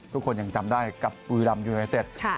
ทุกคนยังจำได้กับวีรัมยูไอเต็ดใช่